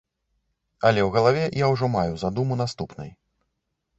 Але ў галаве я ўжо маю задуму наступнай.